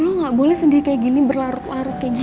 lo gak boleh sedih kayak gini berlarut larut kayak gini